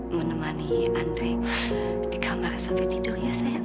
menemani andre di kamar sampai tidur ya sayang